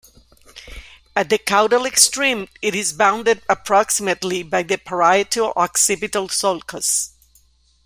At the caudal extreme it is bounded approximately by the parieto-occipital sulcus.